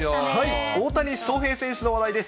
大谷翔平選手の話題です。